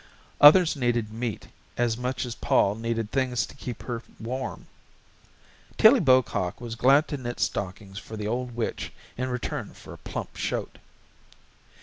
Others needed meat as much as Pol needed things to keep her warm. Tillie Bocock was glad to knit stockings for the old witch in return for a plump shoat.